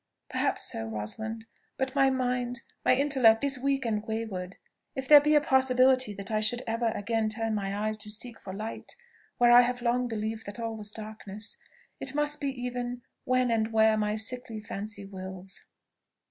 "Perhaps so, Rosalind; but my mind, my intellect, is weak and wayward. If there be a possibility that I should ever again turn my eyes to seek for light where I have long believed that all was darkness, it must be even when and where my sickly fancy wills.